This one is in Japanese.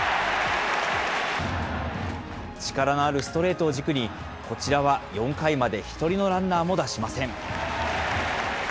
力のあるストレートを軸に、こちらは４回まで１人のランナーも出しません。